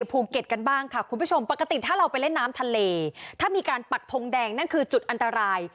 ภูเก็ตกันบ้างค่ะคุณผู้ชมปกติถ้าเราไปเล่นน้ำทะเลถ้ามีการปักทงแดงนั่นคือจุดอันตราย